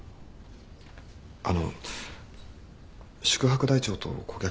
あの宿泊台帳と顧客